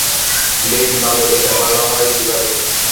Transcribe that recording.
বেশ ভালো - এটা ভালো হয় কীভাবে?